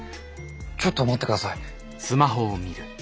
ちょっと待って下さい。